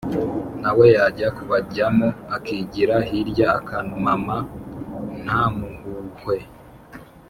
nawe yajya kubajyamo akigira hirya akamama ntamhuhwe,